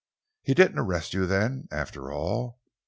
"He didn't arrest you, then, after all?